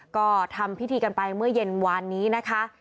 ก็ทำพิธีกันไปเมื่อเย็นวานนี้นะคะ